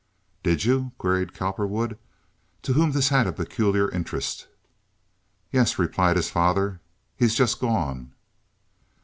"Did you?" queried Cowperwood, to whom this had a peculiar interest. "Yes," replied his father. "He's just gone."